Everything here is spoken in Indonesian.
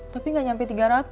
tapi nggak nyampe tiga ratus